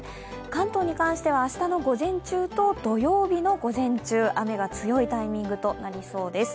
関東に関しては、明日の午前中と土曜日の午前中、雨が強いタイミングとなりそうです。